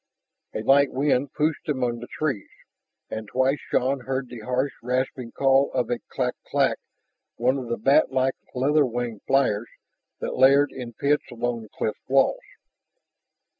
A light wind pushed among the trees, and twice Shann heard the harsh, rasping call of a clak clak one of the bat like leather winged flyers that laired in pits along the cliff walls.